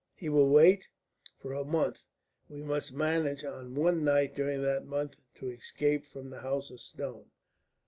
"He will wait?" "For a month. We must manage on one night during that month to escape from the House of Stone.